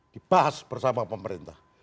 dibahas bersama pemerintah